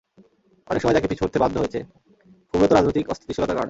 অনেক সময় তাকে পিছু হটতে বাধ্য হয়েছে, মূলত রাজনৈতিক অস্থিতিশীলতার কারণে।